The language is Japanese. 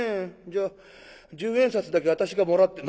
じゃあ十円札だけ私がもらって」。